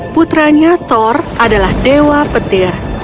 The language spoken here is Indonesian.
putranya thor adalah dewa petir